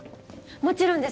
もちろんです！